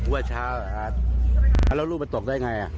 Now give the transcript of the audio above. ว่าเช้าแล้วลูกมันตกได้ไง